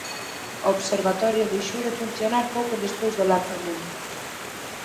O observatorio deixou de funcionar pouco despois do lanzamento.